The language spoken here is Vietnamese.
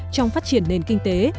trong phát triển nền kinh tế